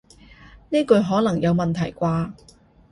呢句可能有問題啩